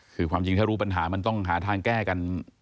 คือความจริงถ้ารู้ปัญหามันต้องหาทางแก้กัน